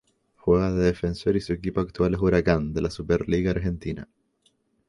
Juega de defensor y su equipo actual es Huracán de la Superliga Argentina.